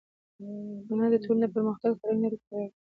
هنر د ټولنې د پرمختګ او فرهنګي اړیکو د پیاوړتیا لپاره حیاتي اهمیت لري.